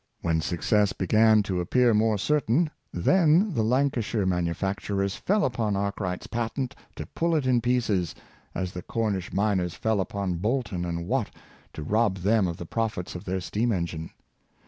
When success began to appear more certain, then the Lancashire manufacturers fell upon Arkwright^s patent to pull it in pieces, as the Cornish miners fell upon Boulton and Watt to rob them of the profits of their steam engine.